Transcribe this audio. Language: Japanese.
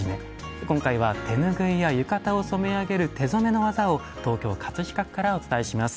今回は手拭いや浴衣を染め上げる手染めの技を東京・飾区からお伝えします。